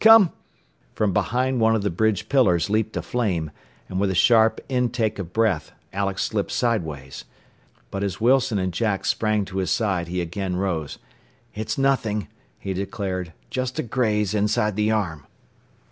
Come " From behind one of the bridge pillars leaped a flame, and with a sharp intake of breath Alex slipped sideways. But as Wilson and Jack sprang to his side he again rose. "It's nothing," he declared. "Just a graze inside the arm."